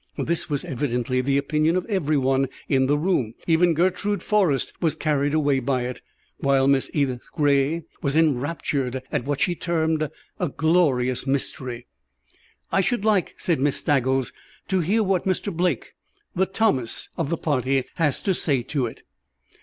This was evidently the opinion of every one in the room. Even Gertrude Forrest was carried away by it, while Miss Edith Gray was enraptured at what she termed "a glorious mystery." "I should like," said Miss Staggles, "to hear what Mr. Blake, the Thomas of the party, has to say to it."